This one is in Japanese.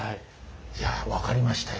いや分かりましたよ。